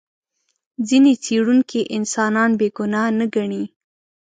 ځینې څېړونکي انسان بې ګناه نه ګڼي.